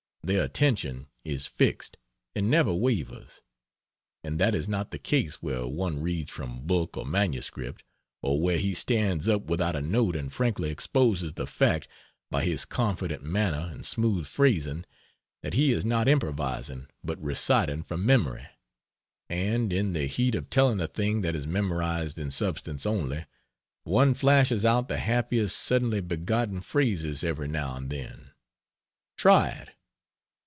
Their attention is fixed, and never wavers. And that is not the case where one reads from book or MS., or where he stands up without a note and frankly exposes the fact, by his confident manner and smooth phrasing, that he is not improvising, but reciting from memory. And in the heat of telling a thing that is memorised in substance only, one flashes out the happiest suddenly begotten phrases every now and then! Try it.